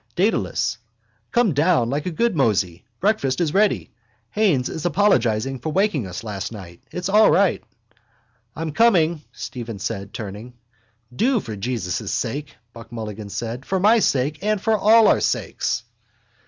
—Dedalus, come down, like a good mosey. Breakfast is ready. Haines is apologising for waking us last night. It's all right. —I'm coming, Stephen said, turning. —Do, for Jesus' sake, Buck Mulligan said. For my sake and for all our sakes.